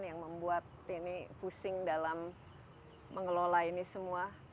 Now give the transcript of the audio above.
yang membuat ini pusing dalam mengelola ini semua